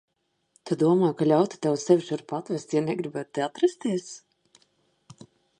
Tu domā, ka ļautu tev sevi šurp atvest, ja negribētu šeit atrasties?